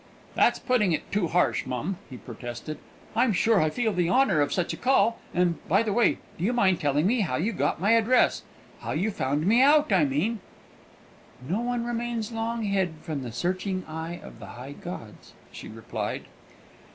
"That's putting it too harsh, mum," he protested. "I'm sure I feel the honour of such a call; and, by the way, do you mind telling me how you got my address how you found me out, I mean?" "No one remains long hid from the searching eye of the high gods," she replied.